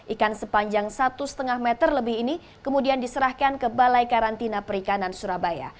ikan sepanjang satu lima meter lebih ini kemudian diserahkan ke balai karantina perikanan surabaya